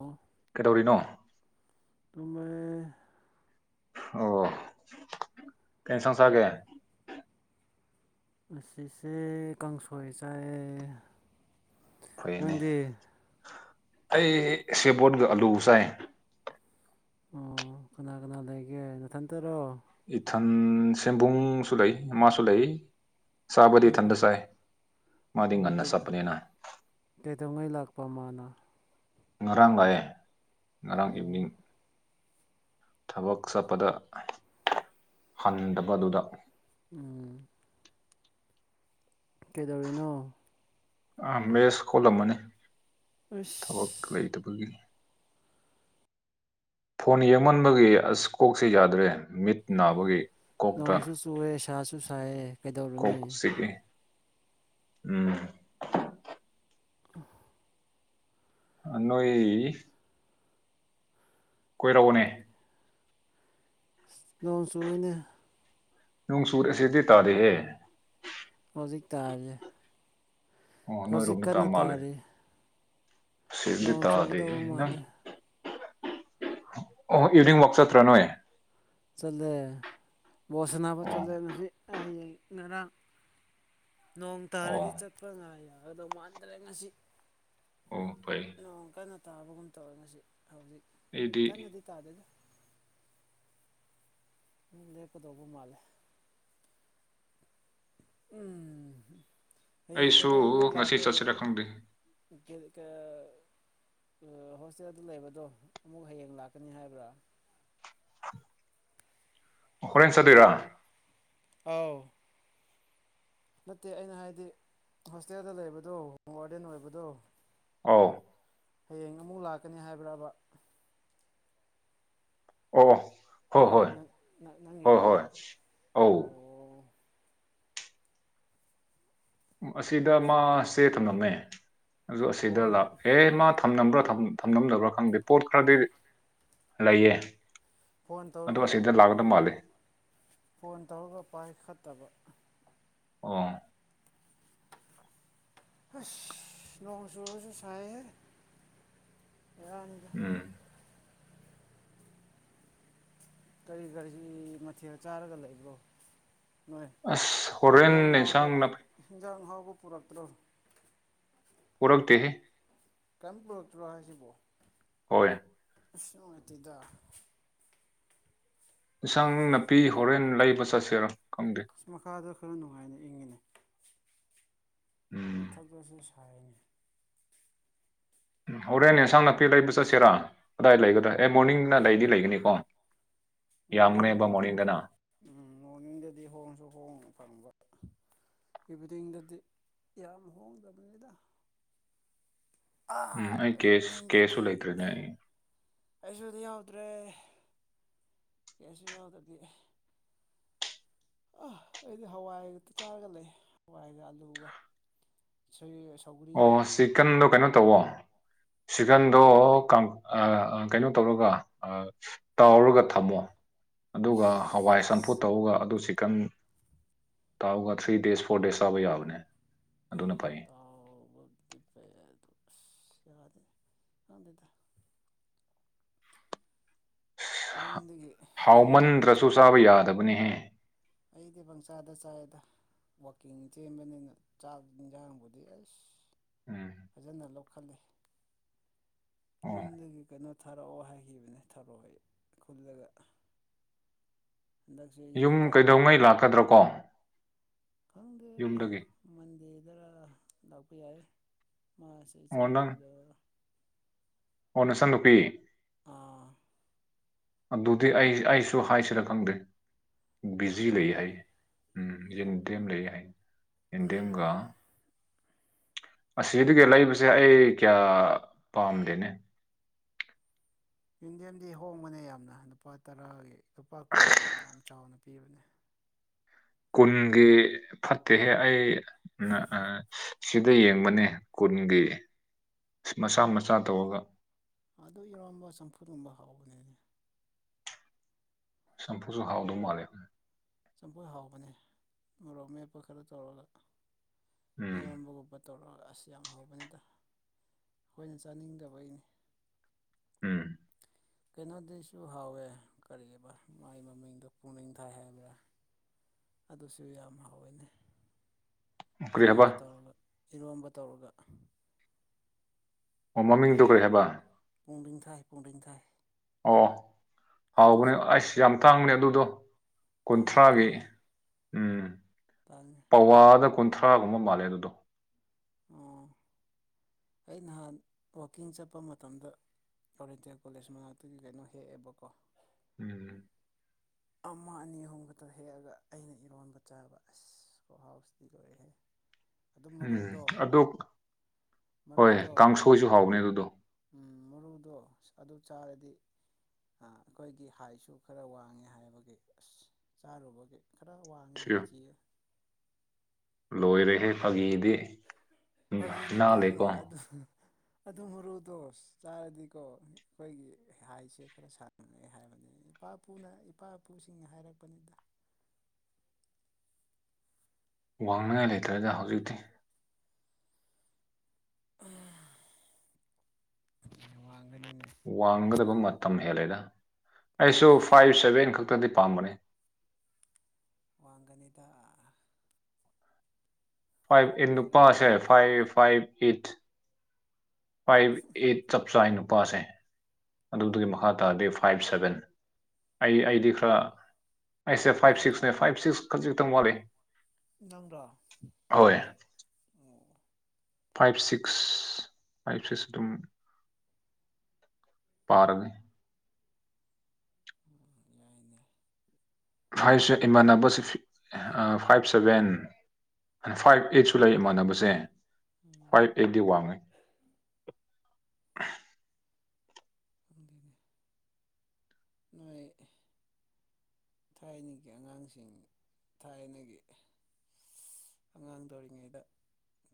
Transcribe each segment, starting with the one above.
ꯑꯣ ꯀꯩꯗꯧꯔꯤꯅꯣ ꯇꯥꯏ ꯑꯣ ꯇꯦꯟꯁꯟꯁꯒꯦ ꯑꯁꯤꯁꯦ ꯀꯥꯡꯁꯣꯏ ꯆꯥꯏ ꯐꯩꯅꯦ ꯅꯪꯗꯤ ꯑꯩ ꯁꯦꯕꯣꯠꯒ ꯑꯂꯨ ꯆꯥꯏ ꯑꯣ ꯀꯅꯥ ꯀꯅꯥ ꯂꯩꯒꯦ ꯅꯊꯪ ꯅꯇꯔꯣ ꯏꯊꯟ ꯁꯦꯟꯕꯨꯡꯁꯨ ꯂꯩ ꯃꯥꯁꯨ ꯂꯩ ꯁꯕꯗꯤ ꯊꯟꯗꯁꯥꯏ ꯃꯥꯗꯤ ꯑꯣ ꯉꯅ ꯁꯄꯅꯦꯅ ꯀꯩꯗꯧꯉꯩ ꯂꯥꯛꯄ ꯃꯥꯅ ꯉꯔꯥꯡ ꯂꯥꯛꯦ ꯉꯔꯥꯡ ꯑꯣ ꯏꯚꯅꯤꯡ ꯊꯕꯛ ꯆꯠꯄꯗ ꯍꯟꯗꯕꯗꯨꯗ ꯎꯝ ꯀꯩꯗꯧꯔꯤꯅꯣ ꯑ ꯃꯦꯁ ꯈꯣꯜꯂꯝꯃꯅꯤ ꯑꯁ ꯊꯕꯛ ꯂꯩꯇꯕꯒꯤ ꯐꯣꯟ ꯌꯦꯡꯃꯟꯕꯒꯤ ꯑꯁ ꯀꯣꯛꯁꯤꯦ ꯌꯥꯗ꯭ꯔꯦ ꯃꯤꯠ ꯅꯥꯕꯒꯤ ꯀꯣꯛꯇ ꯅꯣꯡꯁꯨ ꯆꯨꯑꯦ ꯁꯥꯁꯨ ꯁꯥꯏꯑꯦ ꯀꯣꯛ ꯀꯩꯗꯧꯔꯨꯅꯤ ꯆꯤꯛꯏ ꯎꯝ ꯑ ꯅꯣꯏ ꯀꯣꯏꯔꯛꯑꯣꯅꯦ [unintelligible] ꯑꯣꯏꯅ [unintelligible] ꯑꯁꯤꯁꯦꯗꯤ ꯇꯥꯗꯦ ꯍ ꯍꯧꯖꯤꯛ ꯇꯥꯁꯦ ꯑꯣ ꯅꯣꯏꯔꯣꯝꯗ ꯇꯥ ꯃꯥꯜꯂꯦ ꯁꯤꯜ ꯗꯤ ꯅꯣꯡ ꯇꯗꯑꯦ ꯆꯨꯒꯗꯧꯕ ꯍ ꯃꯥꯜꯂꯦ ꯑꯣ ꯏꯚꯅꯤꯡ ꯋꯥꯥꯛ ꯆꯠꯇ ꯔ ꯅꯣꯋ ꯆꯂꯦ ꯕꯣꯁꯅꯥꯄ ꯆꯂꯦ ꯑꯣ ꯉꯁꯤ ꯍꯌꯦꯡ ꯉꯔꯥꯡ ꯅꯣꯡ ꯑꯣ ꯇꯥꯔꯗꯤ ꯆꯠꯄ꯭ꯔ ꯉꯥ ꯌꯥꯔ ꯑꯗꯨꯗꯧ ꯃꯥꯟꯗ꯭ꯔꯦ ꯉꯁꯤ ꯑꯣ ꯐꯩ ꯅꯣꯡ ꯀꯟꯅ ꯇꯥꯕꯒꯨꯝ ꯇꯧꯔ ꯉꯁꯤ ꯍꯧꯖꯤꯛ ꯑꯩꯗꯤ ꯀꯟꯅꯗꯤ ꯇꯥꯗꯣꯏꯅ ꯂꯦꯀꯗꯧꯕꯨꯝ ꯃꯥꯂꯦ ꯎꯝ ꯍꯌꯦꯡ ꯑꯩꯁꯨ ꯀꯩꯅꯣ ꯑꯃꯨꯛ ꯉꯁꯤ ꯆꯠꯁꯤꯔ ꯈꯪꯗ꯭ꯦ [unintelligible] ꯍꯣꯁꯇꯦꯜꯗꯨ ꯂꯩꯕꯗꯣ ꯑꯃꯨꯛ ꯍꯌꯦꯡ ꯂꯥꯛꯀꯅꯤ ꯍꯥꯏꯕ꯭ꯔꯥ ꯍꯣꯔꯦꯟ ꯆꯠꯇꯣꯏꯔꯥ ꯑꯥꯎ ꯅꯠꯇꯦ ꯑꯩꯅ ꯍꯥꯏꯗꯤ ꯍꯣꯁꯇꯦꯜꯗ ꯂꯩꯕꯗꯣ ꯍꯣꯝ ꯋꯥꯔꯗꯦꯟ ꯑꯣꯏꯕꯗꯣ ꯑ ꯍꯌꯦꯡ ꯑꯃꯨꯛ ꯂꯥꯛꯀꯅꯤ ꯍꯥꯏꯕ꯭ꯔꯕ ꯑꯣ ꯍꯣꯏ ꯍꯣꯏ ꯅꯪꯪ ꯅꯪꯒꯤ ꯍꯣꯏ ꯍꯣꯏ ꯔꯣꯝꯗ ꯑꯧ ꯑꯣ ꯎ ꯃꯥ ꯑꯁꯤꯗ ꯐꯣꯟ ꯃꯥꯁꯦ ꯊꯝꯂꯝꯃꯦ ꯑꯗꯨ ꯑꯁꯤꯗ ꯐꯣꯟ ꯂꯥꯛ ꯑꯦ ꯃꯥ ꯊꯝꯂꯝꯕ꯭ꯔꯥ ꯊꯝꯂꯝꯗꯕ꯭ꯔꯥ ꯈꯪꯗꯦ ꯄꯣꯠ ꯈꯔꯗꯤ ꯂꯩꯌꯦ ꯐꯣꯟ ꯑꯗꯣ ꯇꯧꯔꯒ ꯑꯁꯤꯗ ꯂꯥꯛꯀꯗꯕ ꯃꯥꯜꯂꯦ ꯐꯣꯟ ꯇꯧꯔꯒ ꯄꯥꯏꯈꯠ ꯇꯕꯛ ꯑꯣ ꯑꯁ ꯅꯉꯁꯨꯁꯨ ꯁꯥꯏ ꯑ ꯎꯝ ꯀꯔꯤ ꯀꯒꯥꯔꯤ ꯃꯊꯦꯜ ꯆꯥꯔꯒ ꯂꯩꯕ꯭ꯔꯣ ꯅꯣꯏ ꯑꯁ ꯍꯣꯔꯦꯟ ꯌꯦꯟꯖꯥꯡ ꯍꯥꯎꯕ ꯏꯟꯁꯥꯡ ꯅꯥꯄꯤ ꯍꯟꯖꯥꯡ ꯍꯥꯎꯕ ꯄꯨꯔꯛꯇ꯭ꯔꯣ ꯐꯔꯛꯗ ꯍ ꯀꯔꯝ ꯄꯨꯔꯛꯇ꯭ꯔꯣ ꯍꯥꯏꯁꯤꯕꯣ ꯍꯣꯏ ꯏꯇꯤꯗ ꯏꯁꯁꯪ ꯅꯥꯄꯤ ꯍꯣꯔꯦꯟ ꯂꯩꯕ ꯆꯠꯁꯤꯔꯣ ꯑꯁ ꯃꯈꯥꯗ ꯈꯔ ꯅꯨꯡꯉꯥꯏꯅ ꯏꯪꯉꯤꯅꯦ ꯎꯝ ꯎꯥꯗꯤ ꯑꯁꯦ ꯁꯥꯑꯅꯦ ꯍꯣꯔꯦꯟꯅꯦ ꯑꯦꯟꯁꯥꯡ ꯅꯥꯄꯤ ꯂꯩꯕ ꯆꯠꯁꯤꯔꯥ ꯀꯗꯥꯏ ꯂꯩꯒꯗ꯭ꯔꯥ ꯑꯦ ꯃꯣꯔꯅꯤꯡꯅ ꯂꯩꯗꯤ ꯂꯩꯒꯅꯤꯀꯣ ꯌꯥꯝꯒꯅꯦꯕ ꯃꯣꯔꯅꯤꯡꯗꯗꯤ ꯃꯣꯔꯅꯤꯡꯗꯅ ꯎꯝ ꯃꯣꯔꯅꯤꯡꯗꯗꯤ ꯍꯣꯡꯁꯨ ꯍꯣꯡ ꯐꯪꯕ ꯌꯕꯗꯤꯡꯗꯗꯤ ꯌꯥꯝ ꯍꯣꯡꯗꯕꯅꯤꯗ ꯎ ꯑꯥ ꯑꯩ ꯀꯁ ꯀꯦꯁꯁꯨ ꯂꯩꯇ꯭ꯔꯦꯅꯦ ꯑꯩ ꯑꯩꯁꯨꯗꯤ ꯌꯥꯎꯗ꯭ꯔꯦ ꯀꯦꯁꯨ ꯌꯥꯎꯗꯗꯤ ꯑ ꯑꯩꯗꯤ ꯍꯋꯥꯏꯒ ꯆꯥꯔꯒ ꯂꯩ ꯍꯋꯥꯏꯒ ꯑꯂꯨꯒ ꯁ ꯑꯣ ꯆꯤꯀꯟꯗꯣ ꯀꯩꯅꯣ ꯇꯋꯣ ꯁꯤꯀꯟꯗꯣ ꯀꯩꯅꯣ ꯇꯧꯔꯒ ꯇꯥꯎꯔꯒ ꯊꯝꯃꯣ ꯑꯗꯨꯒ ꯍꯋꯥꯏ ꯆꯝꯐꯨ ꯇꯧꯒ ꯑꯗꯨ ꯆꯤꯛꯀꯟ ꯇꯧꯑꯒ ꯊ꯭ꯔꯤ ꯆꯤꯛ ꯗꯦꯖ ꯐꯣꯔ ꯗꯦꯖ ꯆꯥꯕ ꯌꯥꯕꯅꯦ ꯑꯗꯨꯅ ꯐꯩ ꯄꯗꯦ ꯀꯗ ꯌꯨꯝꯗꯒꯤ ꯌꯨꯝꯗꯒꯤ ꯍꯥꯎꯃꯟꯗ꯭ꯔꯁꯨ ꯊꯔ ꯆꯥꯕ ꯌꯥꯗꯕꯅꯤꯍꯦ ꯑꯩꯗꯤ ꯄꯪꯆꯥꯗ ꯆꯥꯏꯗ ꯋꯥꯋꯥꯛꯀꯤꯡ ꯆꯦꯟꯕꯅꯤꯅ ꯆꯥꯛ ꯌꯦꯟꯖꯥꯡꯕꯨꯗꯤ ꯑꯁ ꯎꯝ ꯐꯖꯅ ꯂꯧꯈꯠꯜꯂꯤ ꯑꯣ ꯌꯨꯝꯗꯒꯤ ꯀꯩꯅꯣ ꯊꯥꯔꯛꯑꯣ ꯍꯥꯏꯈꯤꯕꯅꯦ ꯊꯥꯔꯛꯑꯣ ꯑꯩ ꯈꯨꯜꯂꯒ ꯍꯟꯗꯛꯁꯦ ꯌꯨꯝ ꯌꯨꯝꯗ ꯀꯩꯗꯧꯉꯩ ꯂꯥꯛꯀꯗ꯭ꯔꯣ ꯀꯣ ꯈꯪꯗꯦ ꯌꯨꯝꯗꯒꯤ ꯃꯟꯗꯤꯔꯗꯔ ꯂꯥꯛꯄ ꯌꯥꯏ ꯃꯥꯁꯦ ꯑꯣ ꯅꯪ ꯏꯆꯟꯅꯨꯄꯤꯗ ꯅꯁ ꯅꯨꯄꯤ ꯑꯥ ꯑꯗꯨꯗꯤ ꯑꯩ ꯑꯩꯁꯨ ꯍꯥꯏꯁꯤꯔ ꯈꯪꯗꯦ ꯕꯤꯖꯤ ꯂꯥꯛꯀꯗ꯭ꯔꯥ ꯂꯩ ꯍꯥꯏ ꯂꯥꯛꯑꯣꯏ ꯎꯝ ꯗꯦꯝꯦꯝ ꯂꯩ ꯍꯥꯏ ꯏꯟ ꯗꯦꯝꯦꯝꯒ ꯑꯁꯤꯗꯨꯒ ꯂꯩꯕꯁꯦ ꯑꯩ ꯀꯌꯥ ꯄꯥꯝꯗꯦꯅꯦ ꯌꯟꯗꯤꯌꯦꯝꯗꯤ ꯍꯣꯡꯕꯅꯦ ꯌꯥꯝꯅ ꯂꯨꯄꯥ ꯇꯔꯥꯒꯤ ꯂꯨꯄꯥ ꯀꯨꯟꯒꯤ ꯌꯥꯝ ꯆꯥꯎꯅ ꯄꯤꯕꯅꯦ ꯀꯨꯟꯒꯤ ꯐꯠꯇꯦꯍꯦ ꯑꯩ ꯁꯤꯗ ꯌꯦꯡꯕꯅꯦ ꯀꯨꯟꯒꯤ ꯑ ꯃꯆꯥ ꯃꯆꯥ ꯇꯧꯔꯒ ꯑꯗꯨ ꯏꯔꯣꯟꯝꯕ ꯆꯝꯐꯨꯠꯒꯨꯝꯕ ꯍꯥꯎꯕꯅꯦꯅꯦ ꯁꯝꯄꯨꯁꯨꯍꯥꯎꯗ ꯃꯥꯂꯦ ꯆꯝꯐꯨꯣꯏ ꯍꯥꯎꯕꯅꯦ ꯃꯣꯔꯣꯛ ꯃꯦꯞꯄ ꯈꯔ ꯇꯧꯔꯒ ꯎꯝ ꯏꯔꯣꯟꯕꯒꯨꯝꯕ ꯇꯧꯔꯒ ꯑꯁ ꯌꯥꯝ ꯍꯧꯕꯅꯤꯗ ꯑꯩꯈꯣꯏꯅ ꯆꯥꯅꯤꯡꯗꯕꯒꯤꯅꯤ ꯎꯝ ꯀꯩꯅꯣꯗꯁꯨ ꯍꯥꯎꯋꯦ ꯀꯔꯤ ꯃꯥꯏ ꯃꯃꯤꯡꯗꯣ ꯄꯨꯛꯅꯤꯡ ꯊꯥꯏ ꯍꯥꯏꯕ꯭ꯔꯥ ꯑꯗꯨꯁꯨ ꯌꯥꯝ ꯍꯥꯎꯋꯏꯅꯤ ꯀꯔꯤ ꯍꯥꯏꯕ ꯏꯔꯣꯝꯕ ꯇꯧꯔꯒ ꯏꯔꯣꯝꯕ ꯇꯧꯔꯒ ꯑꯣ ꯃꯃꯤꯡꯗꯨꯣ ꯀꯔꯤ ꯍꯥꯏꯕ ꯄꯨꯡꯗꯤꯡ ꯊꯥꯏ ꯄꯨꯡꯂꯤꯡ ꯊꯥꯏ ꯑꯣ ꯍꯥꯎꯕꯅꯦ ꯑꯩꯁ ꯌꯥꯝ ꯇꯥꯡꯕꯅꯦ ꯑꯗꯨꯗꯣ ꯇꯥꯡꯅꯤ ꯀꯨꯟꯊ꯭ꯔꯥꯒꯤ ꯇꯥꯡꯅꯤ ꯎꯝ ꯇꯥꯡꯅꯤ ꯄꯋꯥꯗ ꯀꯨꯟꯊ꯭ꯔꯥꯒꯨꯝꯕ ꯃꯥꯜꯂꯦ ꯑꯗꯨꯗꯣ ꯑꯣ ꯑꯩ ꯅꯍꯥꯟ ꯋꯥꯋꯀꯤꯡ ꯆꯠꯄ ꯃꯇꯝꯗ ꯀꯇꯤꯌꯥ ꯀꯣꯂꯦꯖ ꯃꯅꯥꯛꯇꯒꯤ ꯀꯩꯅꯣ ꯍꯦꯛꯑꯦꯕꯀꯣ ꯎꯝ ꯑꯃ ꯑꯅꯤ ꯑꯍꯨꯝ ꯈꯛꯇ ꯍꯦꯛꯑꯒ ꯑꯩꯅ ꯏꯔꯣꯟꯕ ꯆꯥꯕ ꯑꯁ ꯍꯥꯎꯁꯇꯤ ꯂꯣꯏꯔꯦꯦ [unintelligible] ꯎꯝ ꯑꯗꯣ ꯍꯣꯏ ꯃꯔꯨꯗꯣ ꯀꯥꯡꯁꯣꯏꯁꯨ ꯍꯥꯎꯅꯦ ꯑꯗꯨꯗꯣ ꯎꯝ ꯃꯔꯨꯗꯣ ꯑꯗꯨ ꯆꯥꯔꯗꯤ ꯑꯩꯈꯣꯏꯒꯤ ꯍꯥꯏꯁꯨ ꯈꯔ ꯋꯥꯡꯉꯦ ꯍꯥꯏꯕ ꯑꯁ ꯆꯥꯔꯨꯕꯒꯤ ꯈꯔ ꯋꯥꯡꯉꯦ ꯁꯤ ꯏꯟꯁꯤ ꯂꯣꯏꯔꯦꯍꯦ ꯐꯥꯒꯤꯗꯤ ꯎ ꯐꯥꯒꯤ ꯅꯠꯇꯦꯍꯦ ꯏꯅꯥꯜꯂꯦꯀꯣ ꯑꯗꯨ ꯑꯗꯨ ꯃꯔꯨꯗꯣ ꯆꯥꯔꯗꯤꯀꯣ ꯑꯩꯈꯣꯏꯒꯤ ꯍꯥꯏꯁꯦ ꯈꯔ ꯁꯥꯡꯅꯦ ꯍꯥꯏꯕꯅꯤ ꯑꯩ ꯏꯄꯥ ꯏꯄꯨꯅ ꯏꯄꯥ ꯏꯄꯨꯁꯤꯡꯅ ꯍꯥꯏꯔꯛꯄꯅꯤꯗ [unintelligible] ꯋꯥꯡꯅꯤꯡꯉꯥꯏ ꯂꯩꯇ꯭ꯔꯗ ꯍꯧꯖꯤꯛꯇꯤ ꯎꯝ ꯋꯥꯡꯒꯗꯕ ꯃꯇꯝ ꯍꯦꯜꯂꯦꯗ ꯑꯩꯁꯨ ꯐꯥꯏꯚ ꯁꯚꯦꯟ ꯈꯛ ꯭ꯔꯗꯤ ꯄꯥꯝꯝꯕꯅꯦ ꯋꯥꯡꯒꯅꯤꯗ ꯐꯥꯏꯚ ꯍꯣꯞ ꯑꯩꯠ ꯂꯩꯔꯗꯤ ꯅꯨꯄꯥꯁ ꯋꯥꯡꯉꯅꯤ five five eight five eight ꯆꯞꯁꯥꯟ ꯎꯄꯥꯥꯁꯦ ꯑꯗꯨꯗꯨꯒꯤ ꯃꯈꯥ ꯇꯥꯔꯗꯤ ꯐꯥꯏꯚ ꯁꯚꯦꯟ ꯑꯩ ꯑꯩꯗꯤ ꯈꯔ ꯑꯩꯁꯦ ꯐꯥꯏꯚ ꯅꯪ ꯁꯤꯛꯁꯅꯦ ꯐꯥꯏꯚ ꯁꯤꯛꯁ ꯈꯖꯤꯛꯇꯪ ꯋꯥꯠꯛꯦ ꯅꯪ꯭ꯔ ꯐꯥꯏꯚ ꯁꯤꯛꯁ ꯐꯥꯏꯚ ꯁꯤꯛꯁ ꯑꯗꯨꯝ ꯄꯥꯔꯒꯦ ꯌꯥꯏꯅꯦ ꯐꯥꯏꯚ ꯏꯃꯥꯟꯅꯕꯁꯤ ꯐꯥꯏꯚ ꯁꯚꯦꯟ ꯐꯥꯏꯚ ꯑꯩꯠꯁꯨ ꯂꯩ ꯏꯃꯥꯟꯅꯕꯁꯦ ꯎꯝ ꯐꯥꯏꯚ ꯑꯩꯗꯤ ꯋꯥꯉ ꯗꯒꯤ ꯅꯥꯏ ꯊꯥꯏꯅꯒꯤ ꯑꯉꯥꯡꯁꯤꯡ ꯊꯥꯏꯅꯒꯤ ꯑꯉꯥꯡ ꯇꯣꯔꯤꯉꯩꯗ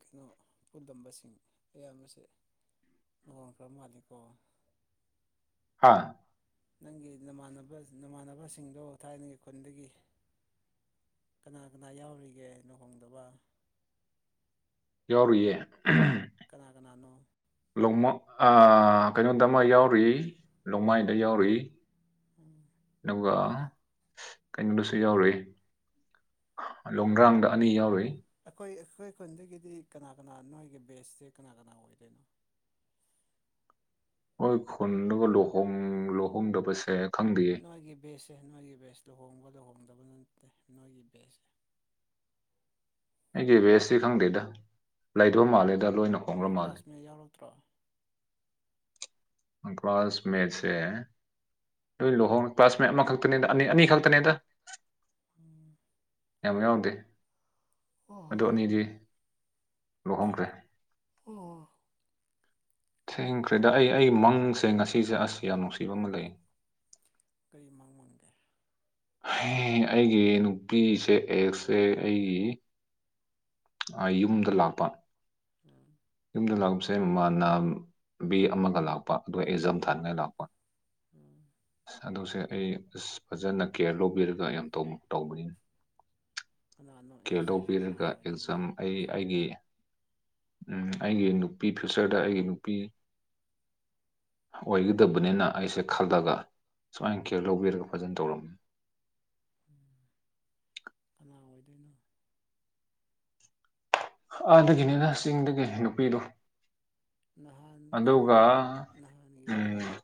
ꯀꯩꯅꯣ ꯄꯨꯜꯂꯝꯕꯁꯤꯡ ꯑꯌꯥꯝ ꯑꯁꯦ ꯑꯗꯨꯒꯈ ꯃꯥꯜꯂꯤꯀ ꯍꯥ ꯅꯪꯒꯤ ꯅꯃꯥꯟꯅꯕ ꯅꯃꯥꯟꯅꯕꯁꯤꯡꯗꯣ ꯊꯥꯏꯅꯒꯤ ꯈꯨꯟꯗꯒꯤ ꯀꯅꯥ ꯀꯅꯥ ꯌꯥꯎꯔꯤꯒꯦ ꯂꯨꯍꯣꯡꯗꯕ ꯌꯎꯔ ꯌꯦ ꯀꯅꯥ ꯀꯅꯥꯅꯣ ꯂꯣꯡꯃ ꯀꯩꯅꯣꯗ ꯑꯃ ꯌꯥꯎꯔꯤꯏ ꯅꯣꯡꯃꯥꯏꯗ ꯌꯥꯎꯔꯤꯏ ꯎꯝ ꯏꯀ ꯀꯩꯅꯣꯗꯁꯨ ꯌꯥꯎꯔꯛꯏ ꯂꯣꯡꯗ꯭ꯔꯥꯡꯗ ꯑꯅꯤ ꯌꯥꯎꯔꯛꯏ ꯑꯩꯈꯣꯏ ꯑꯩꯈꯣꯏ ꯈꯨꯟꯗꯒꯤꯗꯤ ꯀꯅꯥ ꯀꯅꯥ ꯅꯣꯏꯒꯤ ꯕꯦꯁꯁꯦ ꯀꯅꯥ ꯀꯅꯥ ꯑꯣꯏꯗꯣꯏꯅꯣ [unintelligible] ꯍꯣꯏ ꯈꯨꯟꯗꯨ ꯂꯨꯍꯣꯡ ꯂꯨꯍꯣꯡꯗꯕꯁꯦ ꯈꯪꯗꯦꯌꯦ ꯅꯒꯤ ꯦ ꯍꯣ ꯂꯧꯍꯣꯡꯗꯕ ꯅꯠꯇꯦ ꯅꯣꯏꯒꯤ ꯕꯦꯁꯁꯦ ꯑꯩꯒꯤ ꯕꯦꯁꯁꯤ ꯈꯪꯗꯦꯗ ꯂꯩꯗꯕ ꯎꯝ ꯃꯥꯜꯂꯦꯗ ꯂꯣꯏꯅ ꯅꯣꯏ ꯍꯣꯡꯈ꯭ꯔ ꯃꯥꯜꯂꯦ ꯀ꯭ꯂꯥꯁꯃꯦꯠ ꯌꯥꯎꯔꯛꯇ꯭ꯔꯣ ꯑꯀꯋꯥꯥꯁ ꯃꯦꯁꯦ ꯂꯣꯏ ꯂꯨꯍꯣꯡꯉ ꯀ꯭ꯂꯥꯁ ꯃꯦꯟ ꯑꯃꯈꯛꯇꯅꯦꯗ ꯑꯅꯤ ꯑꯅꯤ ꯈꯛꯇꯅꯦꯗ ꯎꯝ ꯑꯕ ꯌꯥꯎꯗꯦ ꯑꯣ ꯑꯗꯨ ꯑꯅꯤꯗꯤ ꯂꯧꯣꯛꯍꯣꯡꯈ꯭ꯔꯦ ꯑꯣ ꯊꯦꯡꯈ꯭ꯔꯦꯗ ꯑꯩ ꯑꯩ ꯃꯪꯁꯦ ꯉꯁꯤꯁꯦ ꯑꯁ ꯌꯥꯝ ꯅꯨꯡꯁꯤꯕ ꯑꯃ ꯂꯩ ꯀꯔꯤ ꯃꯥꯡ ꯃꯥꯡꯒꯦ ꯑꯩꯒꯤ ꯅꯨꯄꯤꯁꯦ ꯑꯦꯁꯁꯦ ꯑꯩꯒꯤ ꯌꯨꯝꯗ ꯂꯥꯛꯄ ꯎꯝ ꯗ ꯂꯥꯛꯄꯁꯦꯃꯅꯥ ꯕꯤ ꯑꯃꯒ ꯂꯥꯛꯄ ꯑꯗꯨꯒ ꯑꯦꯖꯝꯊꯥꯟꯒ ꯂꯥꯛꯄ ꯎꯝ ꯑꯗꯣꯁꯦ ꯑꯩ ꯑꯁ ꯐꯖꯅ ꯀꯦꯌꯔ ꯂꯧꯕꯤꯔꯒ ꯌꯥꯝ ꯇꯧꯕꯅꯤ ꯀꯅꯥꯅꯣ ꯀꯦꯜ ꯑꯦꯁ ꯍꯥꯏꯁꯦ ꯀꯅꯥ ꯂꯧꯕꯤꯔꯒ ꯑꯣꯏꯗꯣꯏꯅꯣ ꯑꯦꯛꯖꯥꯝ ꯑꯩ ꯑꯩꯒꯤ ꯑꯩꯒꯤ ꯅꯨꯄꯤ ꯐ꯭ꯌꯨꯆꯔꯗ ꯑꯩꯒꯤ ꯅꯨꯄꯤ ꯑꯣꯏꯒꯗꯕꯅꯤꯅ ꯑꯩꯁꯦ ꯈꯜꯂꯒ ꯁꯨꯃꯥꯏꯅ ꯀꯦꯌꯔ ꯂꯧꯕꯤꯔꯒ ꯐꯖꯅ ꯇꯧꯔꯝꯃꯤ ꯀꯅꯥ ꯑꯣꯏꯗꯣꯏꯅꯣ ꯑꯥꯗꯒꯤꯅꯤꯅ ꯆꯤꯡꯗꯒꯤ ꯅꯨꯄꯤꯗꯨ ꯅꯍꯥꯟ ꯀꯩꯅꯣꯗꯒꯤ ꯎꯝ ꯅꯍꯥꯟꯒꯤꯗꯧꯔꯕ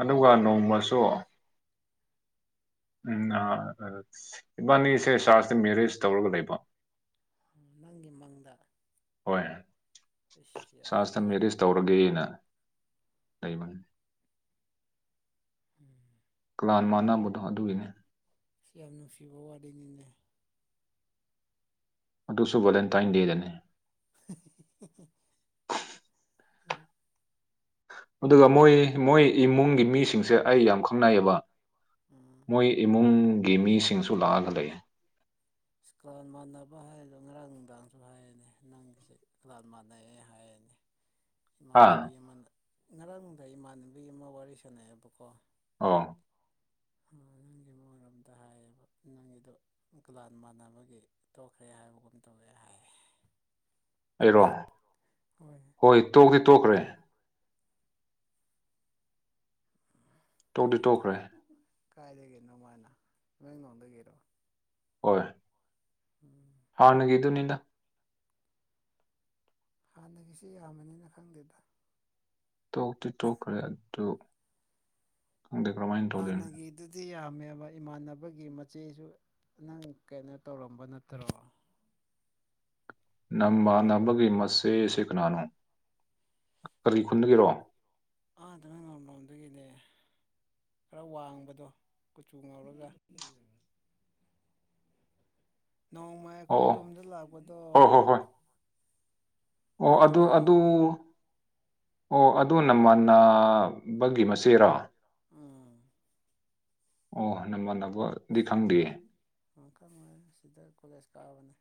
ꯑꯗꯨꯒꯅ ꯅꯣꯡꯃꯁꯨꯣ ꯎꯝ ꯏꯕꯥꯅꯤꯁꯦ ꯁꯥꯔꯁꯤꯇ ꯃꯦꯔꯤꯦꯖ ꯇꯧꯔꯒ ꯂꯩꯕ [unintelligible] ꯅꯪꯒꯤ ꯃꯪꯗ ꯍꯣꯏ ꯑꯩꯁ ꯁꯥꯁꯇ ꯌꯥꯏꯅꯦꯍꯦ ꯃꯦꯔꯤꯖ ꯇꯧꯔꯒꯦꯅ ꯇꯥꯏꯕ ꯎꯝ ꯄꯥꯟ ꯃꯥꯟꯅꯕꯗꯣ ꯑꯗꯨꯒꯤꯅꯤ ꯁꯤ ꯌꯥꯝ ꯅꯨꯡꯁꯤꯕ ꯋꯥꯔꯤꯅꯤꯅꯦ ꯑꯗꯨ ꯑꯗꯨꯁꯨ ꯦꯂꯦꯟꯇꯥꯏꯟ ꯗꯦꯗꯅꯦ ꯎꯝ ꯑꯗꯨꯒ ꯃꯣꯏ ꯃꯣꯏ ꯏꯃꯨꯡꯒꯤ ꯃꯤꯁꯤꯡꯁꯦ ꯑꯩ ꯌꯥꯝ ꯈꯪꯅꯩꯌꯦꯕ ꯃꯣꯏ ꯏꯃꯨꯡꯒꯤ ꯃꯤꯁꯤꯡꯁꯨ ꯂꯥꯛꯑꯒ ꯂꯩ ꯏꯁꯀꯥꯟ ꯃꯥꯟꯅꯕ ꯍꯥꯏꯗꯣ ꯉꯔꯥꯡ ꯅꯨꯡꯗꯥꯡꯁꯨ ꯍꯥꯏꯔꯅꯦ ꯅꯪꯒꯤꯁꯦꯀꯥꯟ ꯃꯥꯟꯅꯩꯦ ꯍꯥꯏꯔꯅꯤ [unintelligible] ꯑꯥ ꯏꯃꯥꯟꯅꯕꯤ ꯑꯃꯅ ꯉꯔꯥꯡꯗ ꯏꯃꯥꯟꯅꯕꯤ ꯑꯃ ꯋꯥꯔꯤ ꯁꯥꯟꯅꯩꯑꯕꯀꯣ ꯑꯥ ꯅꯪꯒꯤ ꯑꯃꯡꯔꯣꯝꯗ ꯍꯥꯏꯌꯦꯕ ꯅꯪꯒꯤꯗꯣꯥ ꯃꯥꯟꯅꯕꯒꯤ ꯇꯣꯛꯈ꯭ꯔꯦ ꯍꯥꯏꯕꯒꯨꯝ ꯇꯧꯋꯦ ꯍꯥꯏ ꯑꯩꯔꯣ ꯍꯣꯏ ꯇꯣꯛꯇꯤ ꯇꯣꯛꯈ꯭ꯔꯦ ꯇꯣꯛꯗꯤ ꯇꯣꯛꯈ꯭ꯔꯦ ꯀꯥꯏꯗꯒꯤꯅꯣꯃꯥꯏꯅ ꯏꯃꯦꯦꯟꯡꯂꯣꯡꯗꯒꯤꯔꯣ ꯍꯣꯏ ꯎꯝ ꯍꯥꯥꯎꯅꯒ ꯏꯗꯨꯅꯤꯅ ꯍꯥꯟꯅꯒꯤꯁꯤ ꯌꯥꯝꯃꯅꯤꯅ ꯈꯪꯗꯦꯗ ꯇꯣꯛꯛꯇ ꯇꯣꯛꯈꯔꯦ ꯇꯪꯗꯔꯣꯃꯥꯏꯟ ꯇꯧꯂꯅꯤ ꯄꯝꯃꯦꯕ ꯏꯃꯥꯟꯅꯕꯒꯤ ꯃꯆꯦꯁꯨ ꯅꯪ ꯀꯩꯅꯣ ꯇꯧꯔꯝꯕ ꯅꯠꯇ꯭ꯔꯣ ꯅꯃ ꯅꯕꯒꯤ ꯃꯁꯦ ꯁꯤ ꯀꯅꯥꯅꯨ ꯀꯔꯤ ꯈꯨꯟꯅꯒꯤꯔꯣ ꯑꯥꯗ ꯅꯪ ꯉꯝꯂꯣꯝꯗꯨꯒꯤꯅꯦ ꯈꯔ ꯋꯥꯡꯕꯗꯣ ꯀꯨꯆꯨ ꯉꯥꯎꯔꯒ ꯅꯣꯡꯃ ꯑꯩꯈꯣꯏ ꯑꯣ ꯔꯨꯝꯗ ꯂꯥꯛꯄꯗꯣ ꯑꯣ ꯍꯣꯏ ꯍꯣꯏ ꯍꯣꯏ ꯑꯣ ꯃꯥꯗꯤ ꯑꯗꯨ ꯑꯗꯨ ꯂꯨꯍꯣꯡꯈ꯭ꯔꯦ ꯑꯣ ꯑꯗꯨ ꯅꯃꯟꯅ ꯕꯒꯤ ꯃꯆꯦꯔꯣ ꯎꯝ ꯑꯣ ꯅꯃ ꯅꯕ ꯣꯡꯀ ꯃ ꯁꯤꯗꯥ ꯀꯂꯦꯁꯀꯥꯕꯅꯦ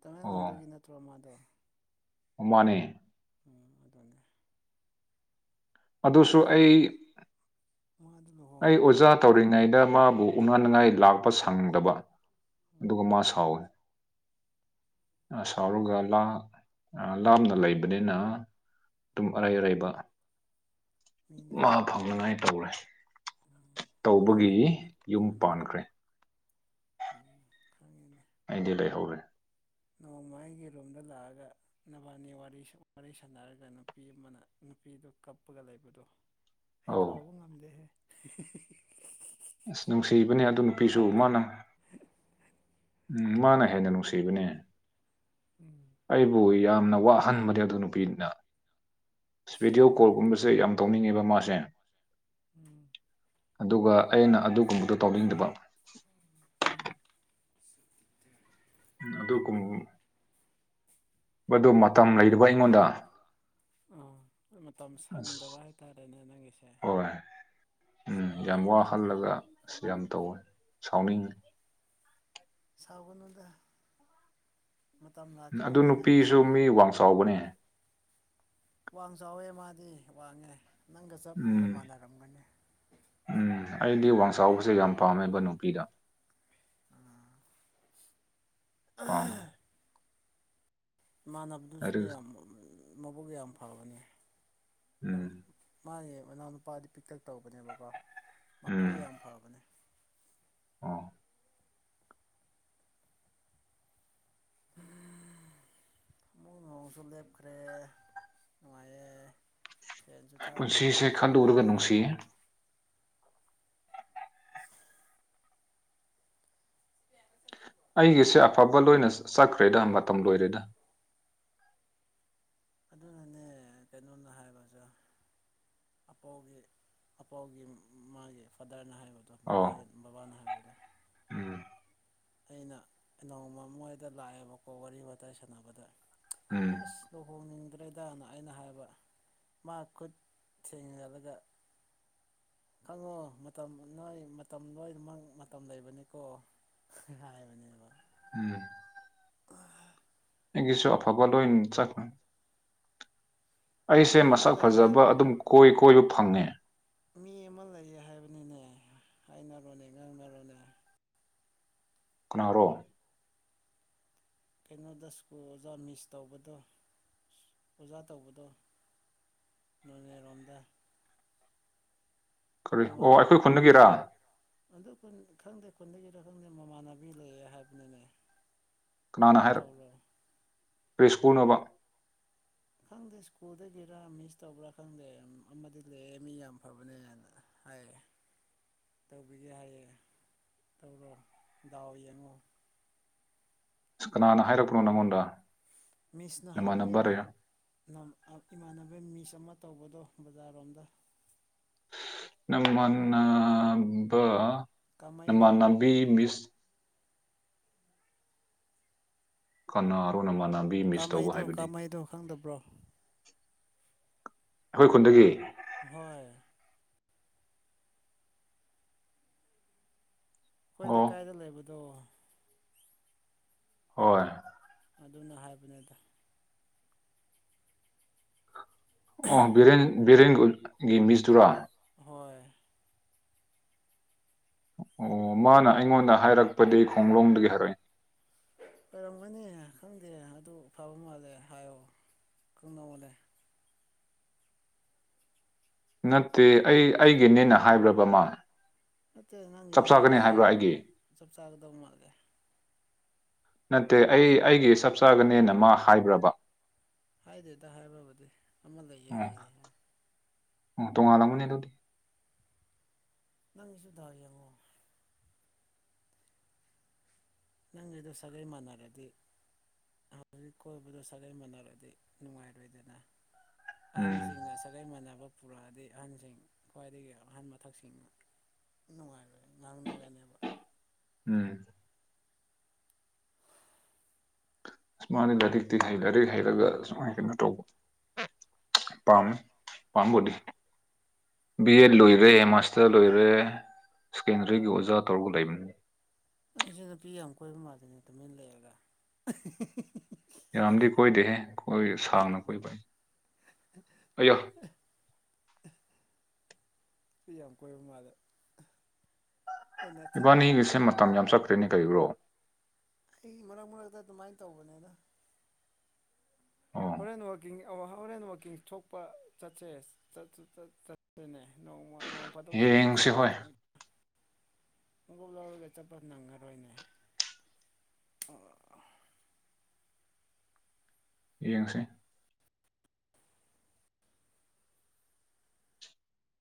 ꯇꯃꯦꯡꯂꯡꯂꯣꯡꯗꯒꯤ ꯅꯠꯇ꯭ꯔꯣ ꯃꯥꯗꯣ ꯅꯦ ꯎ ꯑꯗꯨꯅꯦ ꯑꯗꯨꯁꯨ ꯃꯥꯗꯤ ꯑꯩ ꯃꯥꯗꯤ ꯑꯩ ꯂꯨꯍꯣꯡꯈ꯭ꯔ ꯑꯣꯖꯥ ꯃꯥꯜꯂꯦꯀꯣ ꯇꯧꯔꯤꯉꯩꯗ ꯃꯥꯕꯨ ꯎꯅꯅꯤꯡꯉꯥꯏ ꯂꯥꯛꯄ ꯁꯪꯗꯕ ꯎꯝ ꯗꯨꯘ ꯃꯥꯁꯋ ꯁꯥꯎꯔꯒ ꯂꯥꯞꯅ ꯂꯩꯕꯅꯤꯅ ꯑꯗꯨꯝ ꯑꯔꯩ ꯑꯔꯩꯕ ꯃꯤꯅ ꯃꯥ ꯐꯪꯅꯉꯥꯏ ꯇꯧꯔꯦ ꯃꯤꯅ ꯇꯧꯕꯒꯤ ꯌꯨꯝ ꯄꯥꯟꯈ꯭ꯔꯦ ꯈ ꯑꯩꯗꯤ ꯂꯩꯍꯧꯔꯦ ꯅꯣꯡꯃꯥꯏꯒꯤ ꯔꯨꯝꯗ ꯂꯥꯛꯑꯒ ꯅꯕꯥꯅꯤ ꯋꯥꯔꯤ ꯁꯥꯟꯅꯔꯒ ꯅꯨꯄꯤ ꯑꯃꯅ ꯅꯨꯄꯤꯗꯣ ꯀꯞꯄꯒ ꯂꯩꯕꯗꯣ ꯑꯩ ꯑꯧ ꯀꯥꯎꯕ ꯉꯝꯗꯦꯍꯦ ꯑꯁ ꯅꯨꯡꯁꯤꯕꯅꯦ ꯑꯗꯨ ꯅꯨꯄꯤꯁꯨ ꯃꯥꯅ ꯎꯝ ꯃꯥꯅ ꯍꯦꯟꯅ ꯅꯨꯡꯁꯤꯕꯅꯦ ꯎꯝ ꯑꯩꯕꯨ ꯌꯥꯝꯅ ꯋꯥꯍꯟꯕꯅꯤ ꯑꯗꯨ ꯅꯨꯄꯤꯅ ꯑꯁ ꯚꯕꯤꯗꯤꯑꯣ ꯀꯣꯜꯒꯨꯝꯕꯁꯦ ꯌꯥꯝ ꯇꯧꯅꯤꯡꯉꯦꯕ ꯃꯥꯁꯦ ꯎꯝ ꯑꯗꯨꯒ ꯑꯩꯅ ꯑꯗꯨꯒꯨꯝꯕꯗꯣ ꯇꯧꯅꯤꯡꯗꯕ ꯑꯗꯨ ꯀꯨꯝ ꯃꯗꯨ ꯃꯇꯝ ꯂꯩꯔꯕ ꯑꯩꯉꯣꯟꯗ ꯑ ꯃꯇꯝ ꯑꯁ ꯁꯪꯗꯕ ꯍꯥꯏꯇꯥꯔꯦꯅꯦ ꯅꯪꯒꯤꯁꯦ ꯍꯣꯏ ꯑꯁ ꯎꯝ ꯌꯥꯝ ꯅꯨꯡꯉꯥꯏꯇꯦꯗ ꯋꯥꯍꯜꯂꯒ ꯑ ꯌꯥꯝ ꯇꯧꯋꯦ ꯁꯥꯎꯅꯤꯡꯉꯤ ꯁꯥꯎꯒꯅꯗ ꯑꯗꯨ ꯅꯨꯄꯤꯁꯨ ꯃꯤ ꯋꯥꯡ ꯆꯥꯎꯕꯅꯦ ꯋꯥꯡ ꯆꯥꯎꯋꯦ ꯃꯥꯗꯤ ꯋꯥꯡꯉꯦ ꯅꯪꯒ ꯆꯞꯅ ꯎꯝ ꯃꯥꯟꯅꯔꯝꯒꯅꯤ ꯎꯝ ꯑꯩꯗꯤ ꯋꯥꯡ ꯆꯥꯎꯥꯎꯕꯁꯦ ꯌꯥꯝ ꯄꯥꯝꯃꯦꯕ ꯅꯨꯄꯤꯗ ꯄꯥꯡ ꯏꯃꯥꯟꯅꯕꯗꯨꯁꯨ ꯂꯥꯏꯔꯤꯛ ꯌꯥꯝ ꯃꯕꯨꯛ ꯌꯥꯝ ꯐꯕꯅꯤ ꯎꯝ ꯃꯥꯅꯦ ꯃꯅꯥꯎꯅꯨꯄꯥꯗꯤ ꯄꯤꯛꯇꯛ ꯇꯧꯕꯅꯦꯕꯀꯣ ꯃꯥꯕꯨ ꯌꯥꯝ ꯐꯕꯅꯦ ꯑꯥ [unintelligible] ꯣꯏ ꯃꯪꯁꯣꯔꯗꯦꯕꯈ꯭ꯔ ꯅꯅꯨꯡꯉꯥꯏ ꯄꯨꯟꯁꯤꯁꯦ ꯈꯟꯗꯔꯒ ꯅꯨꯡꯁꯤꯌꯦ [unintelligible] ꯑꯩꯒꯤꯁꯦ ꯑꯐꯕ ꯂꯣꯏꯅ ꯆꯠꯈ꯭ꯔꯦꯗ ꯃꯇꯝ ꯂꯣꯏꯔꯦꯗ ꯑꯗꯨꯅꯅꯦ ꯀꯩꯅꯣꯅ ꯍꯥꯏꯕꯁꯦ ꯑꯄꯥꯎꯒꯤ ꯑꯄꯥꯎꯒꯤ ꯃꯥꯒꯤ ꯐꯥꯗꯔꯅ ꯍꯥꯏꯕꯗꯣꯕꯥ ꯑꯣ ꯕꯕꯥꯅ ꯍꯥꯏꯕꯗꯣ ꯎꯝ ꯑꯩꯅ ꯅꯣꯡꯃ ꯃꯣꯏꯗ ꯂꯥꯛꯑꯦꯕꯀꯣ ꯋꯥꯔꯤ ꯋꯥꯇꯥꯏ ꯁꯥꯟꯅꯕꯗ ꯎꯝ ꯑꯁ ꯂꯨꯍꯣꯡꯅꯤꯡꯗ꯭ꯔꯦꯗꯅ ꯑꯩꯅ ꯍꯥꯏꯕ ꯃꯥ ꯈꯨꯠ ꯊꯦꯡꯅꯔꯒ ꯈꯪꯉꯣ ꯃꯇꯝ ꯅꯣꯏ ꯃꯇꯝ ꯂꯣꯏꯅꯃꯛ ꯃꯇꯝ ꯂꯩꯕꯅꯤꯀꯣ ꯍꯥꯏ ꯃꯅꯤꯕ ꯎꯝ ꯒꯤꯁꯨ ꯑꯐꯕ ꯂꯣꯏ ꯆꯥꯛ ꯅ ꯃꯤ ꯑꯩꯁꯦ ꯑꯃ ꯃꯁꯛ ꯂꯩꯌꯦ ꯐꯖꯕ ꯑꯗꯨꯝ ꯀꯣꯏ ꯀꯣꯏꯕ ꯐꯪꯉꯦ ꯃꯤ ꯑꯃ ꯂꯩꯌꯦ ꯍꯥꯏꯕꯅꯤꯅꯦ ꯍꯥꯏꯅꯔꯣꯅꯦ ꯉꯥꯡꯅꯔꯣꯅꯦ ꯀꯅꯔꯣ ꯀꯩꯅꯣꯗ ꯁ꯭ꯀꯨꯜ ꯑꯣꯖꯥ ꯃꯤꯁ ꯇꯧꯕꯗꯣ ꯑꯣꯖꯥ ꯇꯧꯕꯗꯣ ꯅꯅꯦ ꯔꯣꯝꯗꯥ ꯀꯔꯤ ꯑꯣ ꯃꯃꯥꯟꯅꯕꯤ ꯑꯩꯈꯣꯏ ꯈꯨꯟꯗꯒꯤꯔꯥ ꯃꯃꯥꯅ ꯑꯗꯨ ꯑꯩ ꯈꯪꯗꯦ ꯈꯨꯟꯗꯒꯤꯔ ꯈꯪꯗ ꯃꯃꯥꯟꯅꯕꯤ ꯂꯩꯌꯦ ꯍꯥꯏꯕꯅꯤꯅꯦ ꯑꯗꯨ ꯇꯧꯔꯣ ꯄꯨꯅꯕ ꯈꯪꯗꯦ ꯁ꯭ꯀꯨꯜꯗꯒꯤꯔ ꯃꯤꯁ ꯇꯧꯕ꯭ꯔꯥ ꯈꯪꯗꯦ ꯑꯃꯗꯤ ꯂꯩꯦ ꯃꯤ ꯌꯥꯝ ꯐꯕꯅꯦꯅ ꯍꯥꯏ ꯇꯧꯕꯤꯒꯦ ꯍꯥꯏꯌꯦ ꯇꯧꯔꯣ ꯗꯥꯎ ꯌꯦꯡꯉꯨ ꯑꯁ ꯀꯅꯥꯅ ꯍꯥꯏꯔꯛꯄꯅꯣ ꯅꯪꯉꯣꯟꯗ ꯃꯤꯁꯅ ꯍꯥꯏꯕꯅꯦꯕ ꯅꯃꯥꯟꯅꯕꯔ ꯏꯃꯥꯟꯅꯕ ꯃꯤꯁ ꯑꯃ ꯇꯧꯕꯗꯣ ꯕꯖꯥꯔꯔꯣꯝꯗ ꯅꯃꯅꯕ ꯀꯥꯃꯩꯗꯣ ꯅꯃꯅꯕꯤ ꯃꯤꯁ ꯈꯟꯅꯔꯣ ꯅꯃꯥꯟꯅꯕꯤ ꯃꯤꯁ ꯇꯧꯕ ꯀꯥꯃꯩꯗꯣ ꯍꯥꯏꯕꯗꯤ ꯀꯥꯃꯩꯗꯣ ꯈꯪꯗꯕ꯭ꯔꯣ ꯑꯩꯈꯣꯏ ꯈꯨꯟꯗꯒꯤ ꯍꯣꯏ ꯑꯩꯈꯣꯏ ꯑꯣ ꯂꯩꯀꯥꯏꯗ ꯂꯩꯕꯗꯣ ꯍꯣꯏ ꯑꯗꯨꯅ ꯍꯥꯏꯕꯅꯤꯗ ꯑꯣ ꯕꯤꯦꯟ ꯕꯤꯔꯦꯟꯒꯤꯒꯤ ꯃꯤꯁꯇꯨꯔꯥ ꯍꯣꯏ ꯑꯣ ꯃꯥꯅ ꯑꯩꯉꯣꯟꯗ ꯍꯥꯏꯔꯛꯄꯗꯤ ꯈꯣꯡꯂꯣꯡꯝꯗꯒꯤ ꯍꯥꯏꯔꯛꯏ ꯀꯔꯝꯒꯅꯤ ꯈꯪꯗꯦ ꯑꯗꯨ ꯐꯕ ꯃꯥꯜꯂꯦ ꯍꯥꯏꯌꯣ ꯀꯕꯂꯦ ꯅꯠꯇꯦ ꯑꯩ ꯑꯩꯒꯤꯅꯦꯅ ꯍꯥꯏꯕ꯭ꯔꯕꯃ ꯅꯠꯇꯦ ꯅꯪꯒꯤ ꯅꯗꯦ ꯍꯥꯏ ꯆꯞ ꯆꯥꯒꯗꯧ ꯃꯥꯜꯂꯦ ꯅꯠꯇꯦ ꯑꯩ ꯑꯩꯒꯤ ꯆꯞ ꯆꯥꯒꯅꯦꯅ ꯃꯥ ꯍꯥꯏꯕ꯭ꯔꯕ ꯍꯥꯏꯗꯦꯗ ꯍꯥꯏꯕꯕꯨꯗꯤ ꯑꯃ ꯂꯩꯌꯦ ꯑꯣ ꯍꯥꯏꯌꯦ ꯍꯥꯏ ꯑꯣ ꯇꯣꯡꯉꯥꯜꯂꯥꯡꯒꯅꯤ ꯅ ꯑꯗꯨꯧꯗꯤ ꯅꯪꯒꯤꯁꯨ ꯗꯥꯎ ꯌꯦꯡꯉꯣ ꯅꯪ ꯑꯗꯨꯗ ꯁꯒꯩ ꯃꯥꯟꯅꯔꯗꯤ ꯍꯧꯖꯤꯛ ꯀꯣꯏꯕꯗ ꯁꯒꯩ ꯃꯅꯥꯜꯗꯤ ꯅꯨꯡꯉꯥꯏꯔꯣꯏꯗꯅ ꯎꯝ ꯑꯍꯟꯁꯤꯡꯅ ꯁꯥꯒꯩ ꯃꯥꯟꯅꯕ ꯄꯨꯔꯛꯑꯗꯤ ꯑꯍꯟꯁꯤꯡ ꯈ꯭ꯋꯥꯏꯗꯒꯤ ꯑꯍꯟ ꯃꯊꯛꯁꯤꯡ ꯅꯨꯡꯉꯥꯏꯕ ꯉꯥꯡꯅꯒꯅꯤ ꯎꯝ ꯑꯃꯅ ꯂꯥꯏꯔꯤꯛꯇꯤ ꯍꯩ ꯂꯥꯏꯔꯤꯛ ꯍꯩꯔꯒ ꯁꯨꯃꯥꯏꯅ ꯀꯩꯅꯣ ꯇꯧꯕ ꯄꯝ ꯄꯝꯕꯨꯗꯤ ꯕꯤ ꯑꯦꯠ ꯂꯣꯏꯔꯦ ꯃꯥꯁꯇꯔ ꯂꯣꯏꯔꯦ ꯁ꯭ꯀꯦꯟꯗꯔꯤꯒꯤ ꯑꯣꯖꯥ ꯇꯧꯔꯒ ꯂꯩꯕꯅꯤ ꯑꯩ ꯁꯤ ꯅꯨꯄꯤ ꯌꯥꯝ ꯀꯣꯏꯕ ꯃꯥꯜꯜꯂꯤꯏꯅꯦ ꯇꯨꯃꯤꯟꯅ ꯂꯩꯔꯒ ꯌꯥꯔꯝꯗꯤ ꯀꯣꯏꯗꯦꯍꯦ ꯀꯣꯏ ꯁꯥꯡꯅ ꯀꯣꯏꯕ ꯑꯩ ꯑꯣ [unintelligible] ꯁꯤ ꯌꯥꯝ ꯀꯣꯏꯕ ꯃꯥꯜꯂꯦ ꯑꯩꯅ ꯈꯟꯕꯗ ꯏꯕꯥꯅꯤꯒꯤꯁꯦ ꯃꯇꯝ ꯌꯥꯝ ꯆꯠꯈ꯭ꯔꯦꯅꯦ ꯀꯔꯤꯕ꯭ꯔꯣ ꯑꯩ ꯃꯔꯛ ꯃꯔꯛꯇ ꯑꯗꯨꯃꯥꯏꯅ ꯇꯧꯕꯅꯦꯅ ꯑꯣ ꯍꯣꯔꯦꯟ ꯋꯥꯛꯀꯤꯡ ꯍꯣꯔꯦꯟ ꯋꯥꯛꯀꯤꯡ ꯊꯣꯛꯄ ꯆꯠꯁꯦ ꯆꯠꯁꯅꯦ ꯅꯣꯡꯃ ꯅꯣꯡ ꯐꯥꯗꯣꯛ ꯆꯤ ꯆꯠꯁꯦ ꯌꯦꯡꯁꯤ ꯍꯣꯏ ꯃꯨꯒꯜ ꯋꯥꯔꯣꯏ ꯦ ꯆꯄꯠꯅ ꯉꯔ ꯑꯣꯏꯣꯏꯅꯦ ꯑꯣ [unintelligible] [inaudible] ꯌꯦꯡꯁꯦ